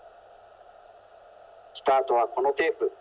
スタートはこのテープ。